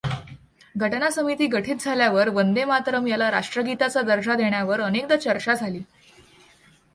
घटना समिती गठित झाल्यावर वंदेमातरम् याला राष्ट्रगीताचा दर्जा देण्यावर अनेकदा चर्चा झाली.